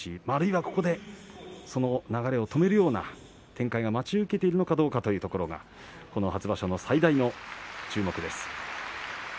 あるいは、ここに流れを止めるような展開が待ち受けているのかどうかというのが最大の注目です。